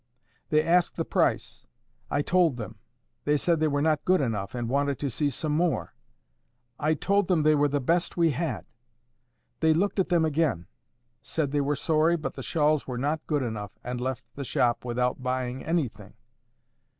They asked the price. I told them. They said they were not good enough, and wanted to see some more. I told them they were the best we had. They looked at them again; said they were sorry, but the shawls were not good enough, and left the shop without buying anything.